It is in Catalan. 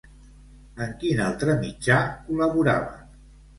En quin altre mitjà col·laborava?